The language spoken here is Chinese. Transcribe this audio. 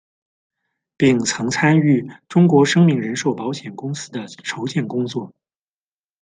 并曾参与中国生命人寿保险公司的筹建工作。